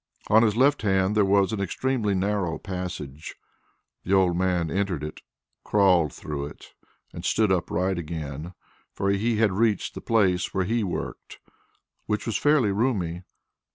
On his left hand there was an extremely narrow passage; the old man entered it, crawled through it, and stood upright again, for he had reached the place where he worked, which was fairly roomy.